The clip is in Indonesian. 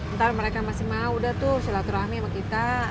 ntar mereka masih mau udah tuh silaturahmi sama kita